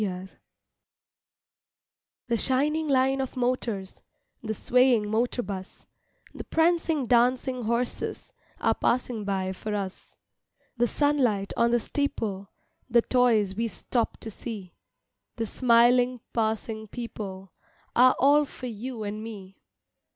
MAY DAY THE shining line of motors, The swaying motor bus, The prancing dancing horses Are passing by for us. The sunlight on the steeple, The toys we stop to see, The smiling passing people Are all for you and me.